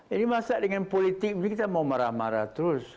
ini masa dengan politik kita mau marah marah terus